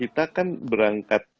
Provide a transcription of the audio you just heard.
kita kan berangkat